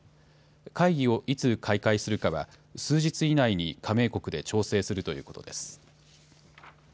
会議をいつ開会するかは、数日以内に加盟国で調整するということです。